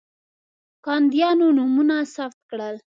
کاندیدانو نومونه ثبت کړل.